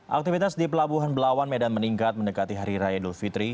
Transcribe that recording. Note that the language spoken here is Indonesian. aktivitas di pelabuhan belawan medan meningkat mendekati hari raya idul fitri